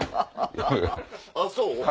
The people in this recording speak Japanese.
あっそう？